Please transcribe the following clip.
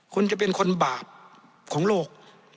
คุณจะเป็นคนบาปของโลก